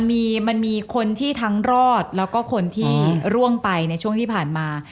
มันมีคนที่ทั้งรอดแล้วก็คนที่ร่วงไปในช่วงที่ผ่านมา